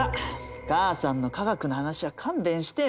母さんの科学の話は勘弁してよ！